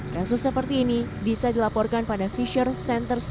kasus seperti ini bisa dilaporkan pada fisher center